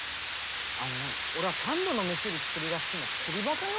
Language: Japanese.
あのね俺は三度の飯より釣りが好きな釣りバカよ？